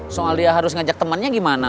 soalnya harus ngajak temannya gimana